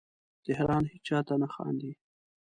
تهران هیچا ته نه خاندې